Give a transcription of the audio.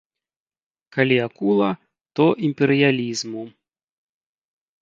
Калі акула, то імперыялізму.